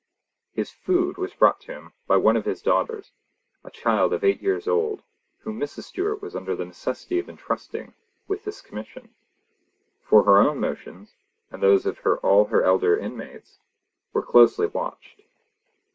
His food was brought to him by one of his daughters, a child of eight years old, whom Mrs. Stewart was under the necessity of entrusting with this commission; for her own motions, and those of all her elder inmates, were closely watched.